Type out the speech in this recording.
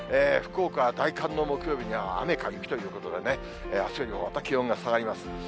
福岡、大寒の木曜日には、雨か雪ということでね、あすよりもまた気温が下がります。